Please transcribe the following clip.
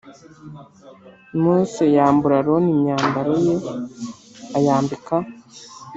Mose yambura Aroni imyambaro ye ayambika